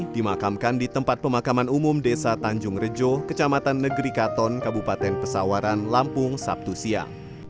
dimakamkan di tempat pemakaman umum desa tanjung rejo kecamatan negeri katon kabupaten pesawaran lampung sabtu siang